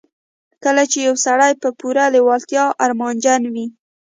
کله چې يو سړی په پوره لېوالتیا ارمانجن وي.